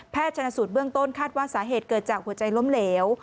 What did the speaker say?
ชนะสูตรเบื้องต้นคาดว่าสาเหตุเกิดจากหัวใจล้มเหลว